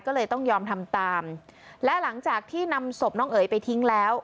ก็เลยต้องยอมทำตามและหลังจากที่นำศพน้องเอ๋ยไปทิ้งแล้ว